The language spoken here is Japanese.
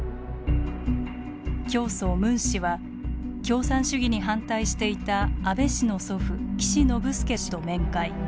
教祖・ムン氏は共産主義に反対していた安倍氏の祖父・岸信介氏と面会。